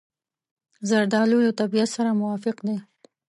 زردالو له طبیعت سره موافق دی.